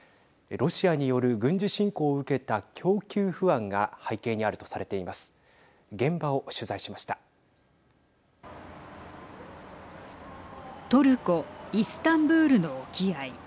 ロシアによる軍事侵攻を受けた供給不安が背景にあるとされています。